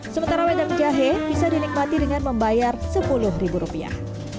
sementara wedang jahe bisa dinikmati dengan membayar sepuluh ribu rupiah